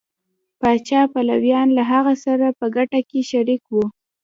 پاچا پلویان له هغه سره په ګټه کې شریک وو.